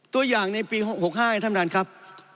ตัวอย่างในปี๖๕ครับท่านด่านครับ